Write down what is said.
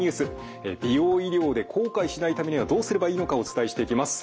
美容医療で後悔しないためにはどうすればいいのかお伝えしていきます。